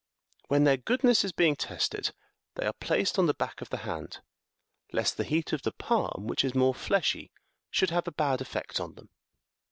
When their goodness is being tested, they are placed on the back of the hand, lest the heat of the palm, which is more fleshy, should have a bad effect upon them.